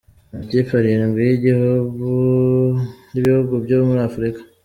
Amakipe arindwi y’ibihugu byo muri Afurika.